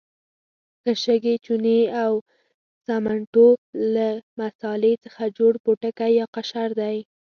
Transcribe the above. له شګې، چونې او سمنټو له مسالې څخه جوړ پوټکی یا قشر دی.